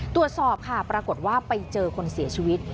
ตรวจสอบค่ะปรากฏว่าไปเจอคนเสียชีวิต